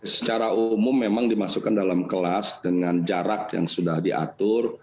secara umum memang dimasukkan dalam kelas dengan jarak yang sudah diatur